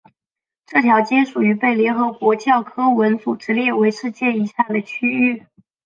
这条街属于被联合国教科文组织列为世界遗产的区域。